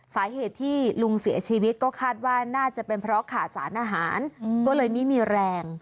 สาเหตุที่ลุงเสียชีวิตก็คาดว่าน่าจะเป็นเพราะขาดสารอาหารก็เลยไม่มีแรง